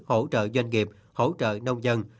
hỗ trợ doanh nghiệp hỗ trợ nông dân